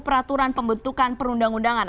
peraturan pembentukan perundang undangan